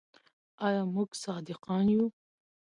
آیا موږ صادقان یو؟